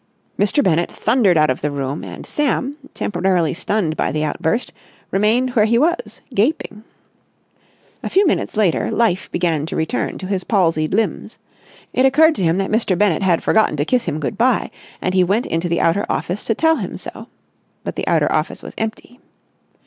Mr. Bennett thundered out of the room, and Sam, temporarily stunned by the outburst, remained where he was, gaping. A few minutes later life began to return to his palsied limbs. It occurred to him that Mr. Bennett had forgotten to kiss him good bye, and he went into the outer office to tell him so. But the outer office was empty.